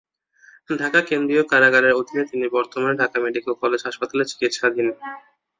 ঢাকা কেন্দ্রীয় কারাগারের অধীনে তিনি বর্তমানে ঢাকা মেডিকেল কলেজ হাসপাতালে চিকিৎসাধীন।